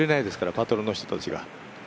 パトロンの人たちが。